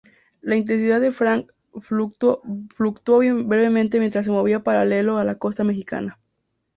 La intensidad de Frank fluctuó brevemente mientras se movía paralelo a la costa mexicana.